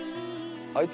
あいつ